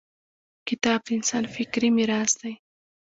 • کتاب د انسان فکري میراث دی.